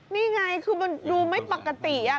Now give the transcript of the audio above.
นี่ไงคือมันดูไม่ปกติ